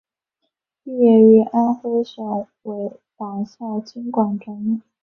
毕业于安徽省委党校经管专业。